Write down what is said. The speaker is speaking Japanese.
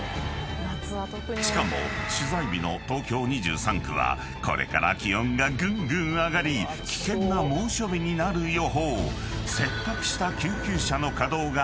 ［しかも取材日の東京２３区はこれから気温がぐんぐん上がり危険な猛暑日になる予報］